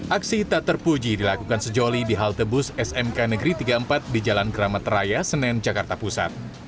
aksi tak terpuji dilakukan sejoli di halte bus smk negeri tiga puluh empat di jalan keramat raya senen jakarta pusat